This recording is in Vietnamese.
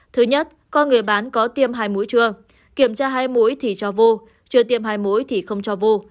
thứ nhất coi người bán có tiêm hai mũi chua kiểm tra hai mũi thì cho vô chưa tiêm hai mũi thì không cho vô